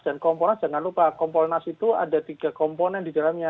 dan kompolnas jangan lupa kompolnas itu ada tiga komponen di dalamnya